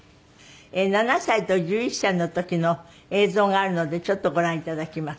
７歳と１１歳の時の映像があるのでちょっとご覧頂きます。